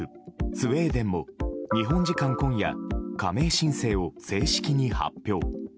スウェーデンも日本時間今夜加盟申請を正式に発表。